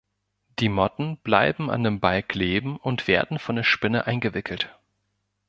Die Motten bleiben an dem Ball kleben und werden von der Spinne eingewickelt.